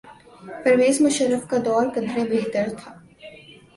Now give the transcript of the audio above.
پرویز مشرف کا دور قدرے بہتر تھا۔